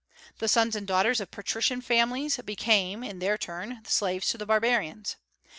The sons and daughters of patrician families became, in their turn, slaves to the barbarians.